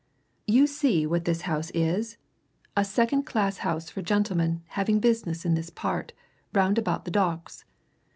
"You see what this house is? a second class house for gentlemen having business in this part, round about the Docks.